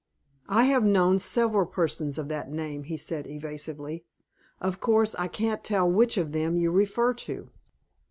"I have known several persons of that name," he said, evasively. "Of course, I can't tell which of them you refer to."